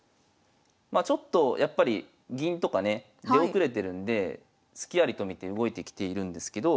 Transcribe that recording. まあちょっとやっぱり銀とかね出遅れてるんでスキありと見て動いてきているんですけど。